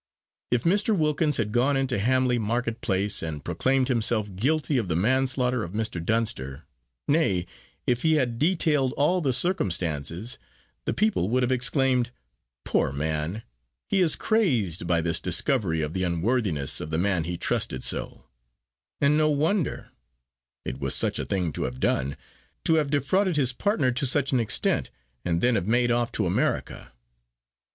If Mr. Wilkins had gone into Hamley market place, and proclaimed himself guilty of the manslaughter of Mr. Dunster nay, if he had detailed all the circumstances the people would have exclaimed, "Poor man, he is crazed by this discovery of the unworthiness of the man he trusted so; and no wonder it was such a thing to have done to have defrauded his partner to such an extent, and then have made off to America!"